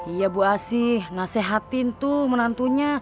iya bu asih nasehatin tuh menantunya